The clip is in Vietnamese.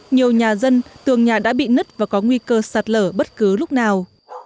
nhiều nhà dân tường nhà đã bị nứt và có nguy cơ sạt lở bất cứ lúc nào